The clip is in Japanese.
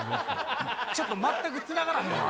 ちょっと全くつながらへんわ。